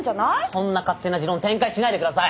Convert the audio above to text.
そんな勝手な持論展開しないで下さい！